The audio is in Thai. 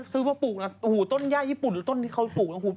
ซื้อว่าปลูกต้นย่ายญี่ปุ่นหรือต้นที่เขาปลูก